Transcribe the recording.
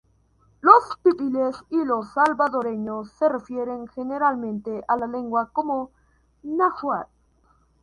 Los pipiles y los salvadoreños se refieren generalmente a la lengua como "náhuat".